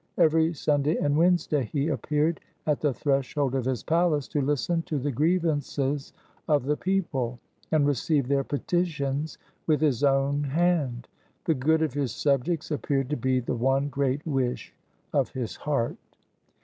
Every Sunday and Wednesday he appeared at the threshold of his palace to listen to the grievances of the people, and receive their petitions with his own hand. The good of his subjects appeared to be the one great wish of his heart.